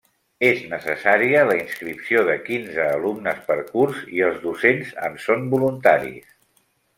És necessària la inscripció de quinze alumnes per curs i els docents en són voluntaris.